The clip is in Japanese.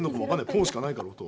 ポンしかないから、音。